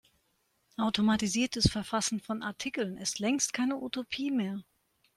Automatisiertes Verfassen von Artikeln ist längst keine Utopie mehr.